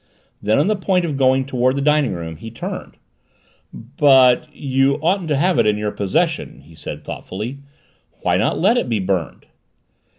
Then, on the point of going toward the dining room, he turned. "But you oughtn't to have it in your possession," he said thoughtfully. "Why not let it be burned?"